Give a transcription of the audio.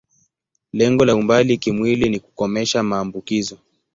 Lengo la umbali kimwili ni kukomesha maambukizo.